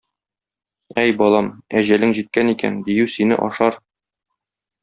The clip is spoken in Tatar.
Әй, балам, әҗәлең җиткән икән, дию сине ашар.